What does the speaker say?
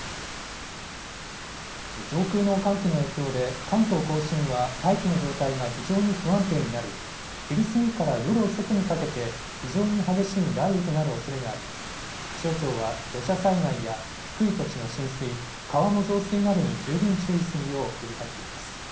上空の寒気の影響で、関東甲信は大気の状態が非常に不安定になり、昼過ぎから夜遅くにかけて、非常に激しい雷雨となるおそれがあり、気象庁は土砂災害や低い土地の浸水、川の増水などに十分注意するよう呼びかけています。